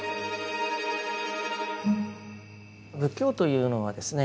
仏教というのはですね